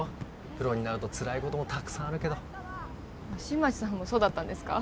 プロになるとつらいこともたくさんあるけど新町さんもそうだったんですか？